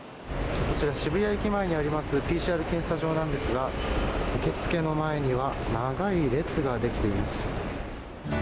こちら渋谷駅前にあるＰＣＲ検査場なんですが受付の前には長い列ができています。